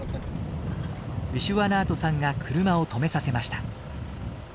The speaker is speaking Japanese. ウィシュワナートさんが車を止めさせました。